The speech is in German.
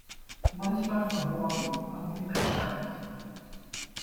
Manchmal verborgen, aber immer entscheidend.